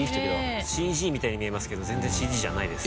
ＣＧみたいに見えますけど全然ＣＧじゃないです。